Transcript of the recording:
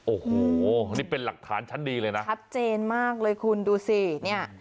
โอ้โหนี่เป็นหลักฐานชั้นดีเลยนะชัดเจนมากเลยคุณดูสิเนี่ย